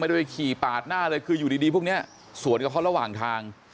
ไปขี่ปาดหน้าเลยคืออยู่ดีพวกนี้สวนกับเขาระหว่างทาง